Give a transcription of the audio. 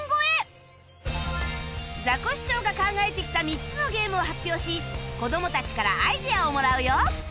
ザコシショウが考えてきた３つのゲームを発表し子どもたちからアイデアをもらうよ